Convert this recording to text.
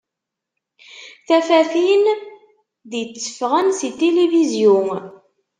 Tafatin d-itteffɣen si tilifizyu.